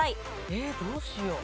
えーっどうしよう？